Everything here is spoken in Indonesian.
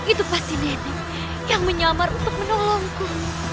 itu pasti deddy yang menyamar untuk menolongku